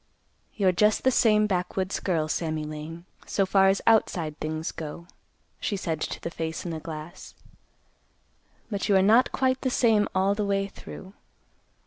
"You're just the same backwoods girl, Sammy Lane, so far as outside things go," she said to the face in the glass; "but you are not quite the same all the way through.